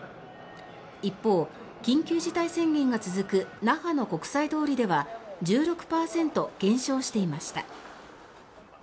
一方、緊急事態宣言が続く那覇の国際通りでは１６％減少していました。